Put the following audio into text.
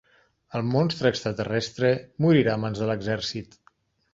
El monstre extraterrestre morirà a mans de l'exèrcit.